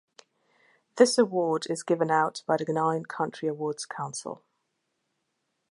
This award is given out by the Ghanaian Country Awards Council.